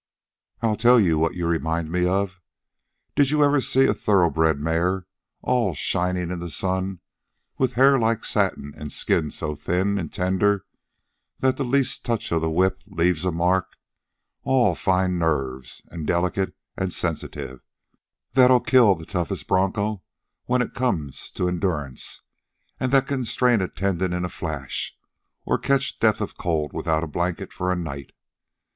"I'll tell you what you remind me of. Did you ever see a thoroughbred mare, all shinin' in the sun, with hair like satin an' skin so thin an' tender that the least touch of the whip leaves a mark all fine nerves, an' delicate an' sensitive, that'll kill the toughest bronco when it comes to endurance an' that can strain a tendon in a flash or catch death of cold without a blanket for a night?